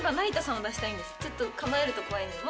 ちょっと構えると怖いんで。